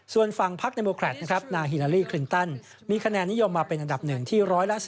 ส่วนฝั่งพัฒน์นาโมคลาตนะครับนายฮิลาลีครินต้นมีคะแนนนิยมมาเป็นหนับหนึ่งที่๑๔๕